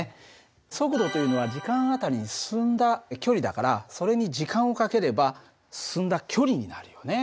速度というのは時間あたりに進んだ距離だからそれに時間を掛ければ進んだ距離になるよね。